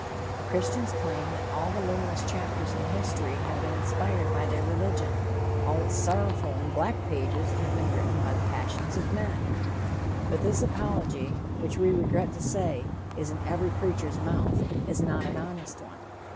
The Christians claim that all the luminous chapters in history have been inspired by their religion, all its sorrowful and black pages have been written by the passions of men. But this apology, which, we regret to say, is in every preacher's mouth, is not an honest one.